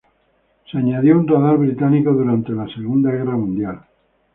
Se añadió un radar británico durante la Segunda Guerra Mundial.